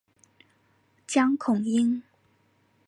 江孔殷。